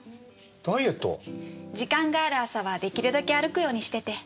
時間がある朝は出来るだけ歩くようにしてて。